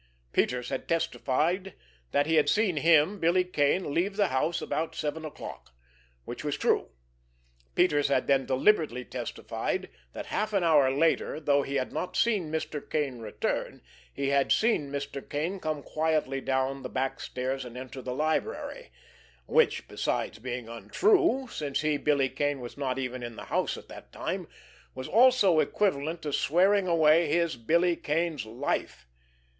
Peters had testified that he had seen him, Billy Kane, leave the house about seven o'clock—which was true. Peters had then deliberately testified that half an hour later, though he had not seen Mr. Kane return, he had seen Mr. Kane come quietly down the back stairs, and enter the library—which, besides being untrue, since he, Billy Kane, was not even in the house at that time, was also equivalent to swearing away his, Billy Kane's, life.